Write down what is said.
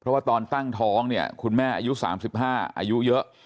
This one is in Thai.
เพราะว่าตอนตั้งท้องเนี่ยคุณแม่อายุ๓๕อายุเยอะ